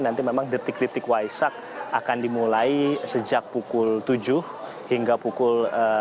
nanti memang detik detik waisak akan dimulai sejak pukul tujuh hingga pukul